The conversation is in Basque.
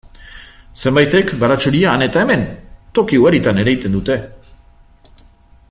Zenbaitek baratxuria han eta hemen, toki ugaritan ereiten dute.